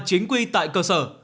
chính quy tại cơ sở